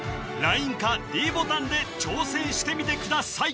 ＬＩＮＥかｄボタンで挑戦してみてください